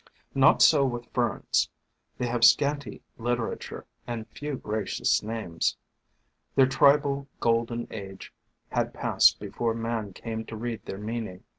Not so with Ferns. They have scanty litera ture and few gracious names. Their tribal Golden Age had passed before man came to read their meaning.